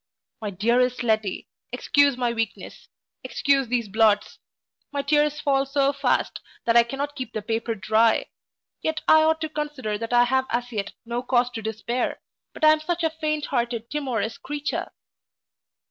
My dearest Letty, excuse my weakness excuse these blots my tears fall so fast that I cannot keep the paper dry yet I ought to consider that I have as yet no cause to despair but I am such a faint hearted timorous creature!